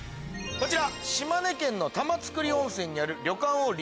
こちら。